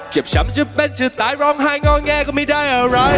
เจ็บช้ำจะเป็นจะตายร้องไห้งอแงก็ไม่ได้อะไร